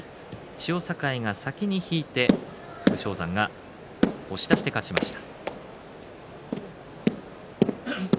千代栄は先に引いて武将山が押し出しで勝ちました。